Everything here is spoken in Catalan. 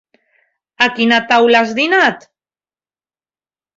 A quina taula has dinat?